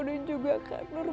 dan juga kak nur